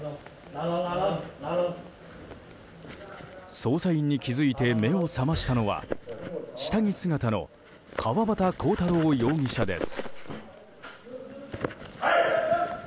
捜査員に気づいて目を覚ましたのは下着姿の川端浩太郎容疑者です。